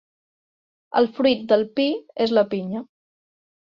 El fruit del pi és la pinya.